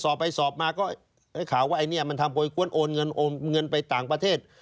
สอบไปสอบมาก็ได้ข่าวว่าไอ้เนี่ยมันทำโพยกวนโอนเงินโอนเงินไปต่างประเทศ